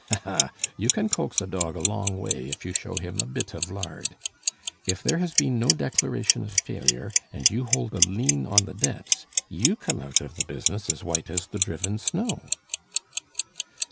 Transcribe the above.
Ha! ha! you can coax a dog a long way if you show him a bit of lard. If there has been no declaration of failure, and you hold a lien on the debts, you come out of the business as white as the driven snow."